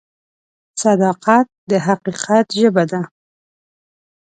صداقت د حقیقت ژبه ده.